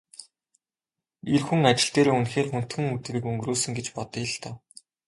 Эр хүн ажил дээрээ үнэхээр хүндхэн өдрийг өнгөрөөсөн гэж бодъё л доо.